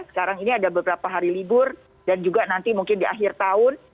sekarang ini ada beberapa hari libur dan juga nanti mungkin di akhir tahun